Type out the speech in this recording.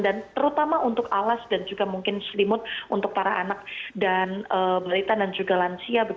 dan terutama untuk alas dan juga mungkin selimut untuk para anak dan berita dan juga lansia